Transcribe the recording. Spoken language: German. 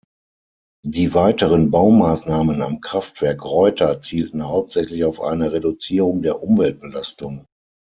Die weiteren Baumaßnahmen am Kraftwerk Reuter zielten hauptsächlich auf eine Reduzierung der Umweltbelastung.